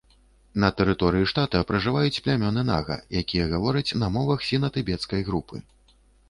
На тэрыторыі штата пражываюць плямёны нага, якія гавораць на мовах сіна-тыбецкай групы.